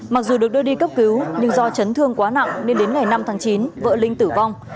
mặc dù được đưa đi cấp cứu nhưng do chấn thương quá nặng nên đến ngày năm tháng chín vợ linh tử vong